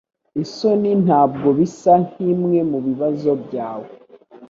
Isoni ntabwo bisa nkimwe mubibazo byawe.